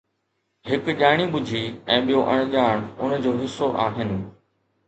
هڪ ڄاڻي ٻجهي ۽ ٻيو اڻڄاڻ ان جو حصو آهن.